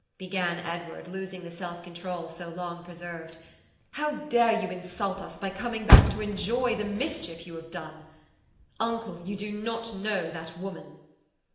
began Edward, losing the self control so long preserved. "How dare you insult us by coming back to enjoy the mischief you have done? Uncle, you do not know that woman!"